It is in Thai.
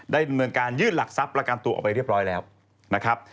ดำเนินการยื่นหลักทรัพย์ประกันตัวออกไปเรียบร้อยแล้วนะครับ